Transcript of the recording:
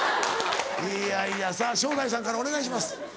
いやいやさぁ正代さんからお願いします。